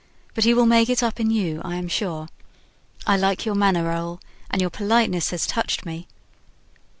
But he will make it up in you I am sure. I like your manner, Raoul, and your politeness has touched me."